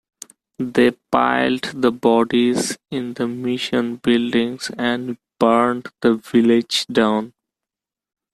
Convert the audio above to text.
They piled the bodies in the mission buildings and burned the village down.